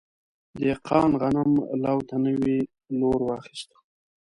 دهقان غنم لو ته نوی لور واخیست.